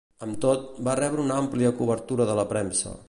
Amb tot, va rebre una amplia cobertura de la premsa.